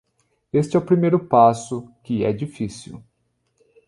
Este é o primeiro passo, que é difícil.